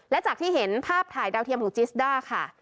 และจากที่เห็นภาพถ่ายดาวเทียมหรือจิสด้าค่ะ